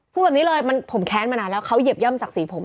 พูดแบบนี้เลยผมแค้นมานานแล้วเขาเหยียบย่ำศักดิ์ศรีผม